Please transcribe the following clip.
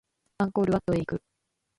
アンコールワットへ行く